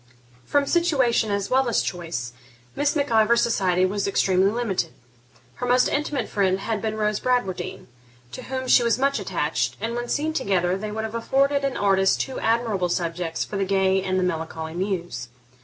From situation as well as choice, Miss Mac Ivor's society was extremely limited. Her most intimate friend had been Rose Bradwardine, to whom she was much attached; and when seen together, they would have afforded an artist two admirable subjects for the gay and the melancholy muse.